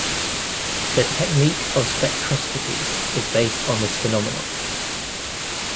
The technique of spectroscopy is based on this phenomenon.